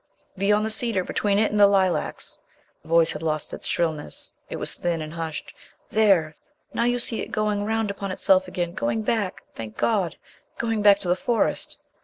"Beyond the cedar between it and the lilacs." The voice had lost its shrillness; it was thin and hushed. "There ... now you see it going round upon itself again going back, thank God!... going back to the Forest."